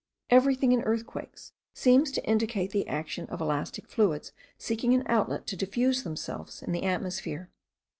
Everything in earthquakes seems to indicate the action of elastic fluids seeking an outlet to diffuse themselves in the atmosphere.